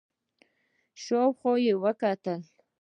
شاو خوا يې وکتل.